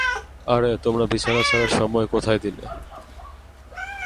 আরে তোমরা বিছানা ছাড়ার সময়ই কোথায় দিলে?